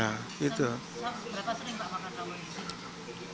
berapa sering pak makan rawon